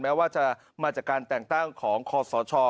แม้ว่าจะมาจากการแต่งตั้งของคอสช